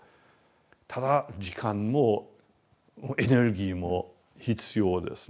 ただ時間もエネルギーも必要ですね。